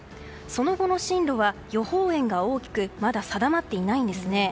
その後の進路は予報円が大きくまだ定まっていないんですね。